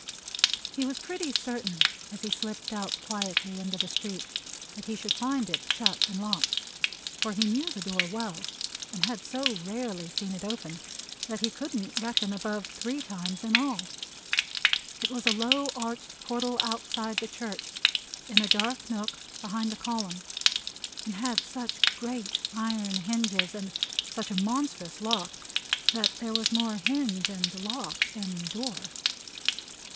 He was pretty certain as he slipped out quietly into the street that he should find it shut and locked, for he knew the door well, and had so rarely seen it open, that he couldn't reckon above three times in all. It was a low arched portal outside the church, in a dark nook behind a column; and had such great iron hinges, and such a monstrous lock, that there was more hinge and lock than door.